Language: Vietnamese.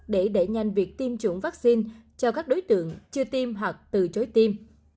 để đẩy nhanh việc tiêm chủng vaccine cho các đối tượng chưa tiêm hoặc từ chối tim